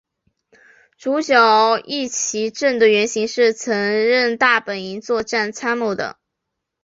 主角壹岐正的原型是曾任大本营作战参谋的。